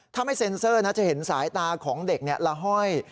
ทำให้เซ็นเซอร์นะจะเห็นสายตาของเด็กเนี่ยละห้อย